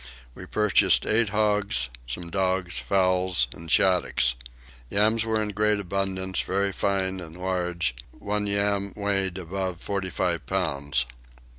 We purchased eight hogs, some dogs, fowls, and shaddocks. Yams were in great abundance, very fine and large; one yam weighed above forty five pounds.